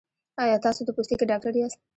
ایا تاسو د پوستکي ډاکټر یاست؟